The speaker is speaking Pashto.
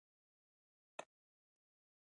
پخوا برېښنا او راډیو او ټلویزیون نه وو